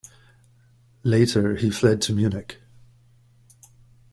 Later, he fled to Munich.